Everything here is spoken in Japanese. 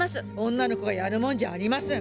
女の子がやるもんじゃありません。